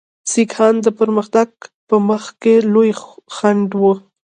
سیکهان د پرمختګ په مخ کې لوی خنډ وو.